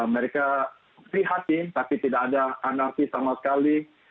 mereka prihatin tapi tidak ada anarki sama sekali